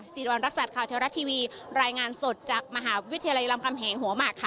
สิริวัณรักษัตริย์ข่าวเทวรัฐทีวีรายงานสดจากมหาวิทยาลัยรามคำแหงหัวหมากค่ะ